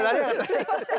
すいません。